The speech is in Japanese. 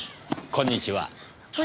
こんにちは。